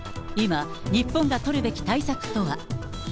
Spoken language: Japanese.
今、日本が取るべき対策とは。